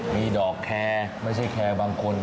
มีดอกแคร์ไม่ใช่แคร์บางคน